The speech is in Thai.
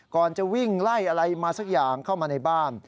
ก่อนจะวิ่งไล่อะไรมาสักอย่างเข้ามาในบ้าน